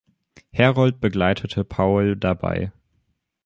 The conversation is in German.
Herold begleitete Powell dabei.